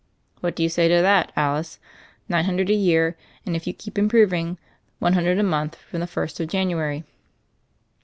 What do you say to that, Alice ? Nine hundred a year, and, if you keep improving, one hundred a month from the first of Jan uary